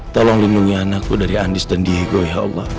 tolong lindungi anakku dari andis dan diego ya allah